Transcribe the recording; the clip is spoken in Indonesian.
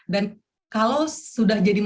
dan kalau sudah